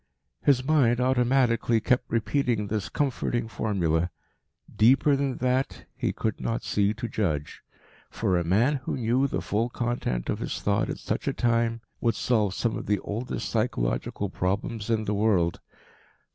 His mind, automatically, kept repeating this comforting formula. Deeper than that he could not see to judge. For a man who knew the full content of his thought at such a time would solve some of the oldest psychological problems in the world.